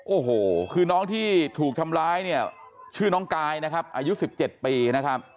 โอ้โหคือน้องที่ถูกทำร้ายเนี่ยชื่อน้องกายนะครับอายุ๑๗ปีนะครับ